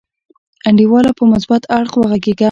انډیواله په مثبت اړخ وغګیږه.